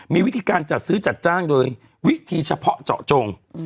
มีวิธีการจัดซื้อจัดจ้างโดยวิธีเฉพาะเจาะจง